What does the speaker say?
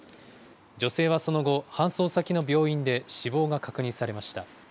女性はその後、搬送先の病院で死亡が確認されました。